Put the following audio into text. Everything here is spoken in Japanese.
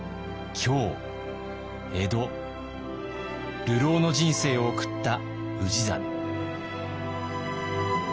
江戸流浪の人生を送った氏真。